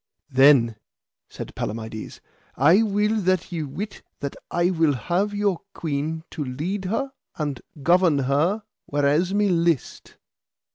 Then, said Palamides, I will that ye wit that I will have your queen to lead her and govern her whereas me list.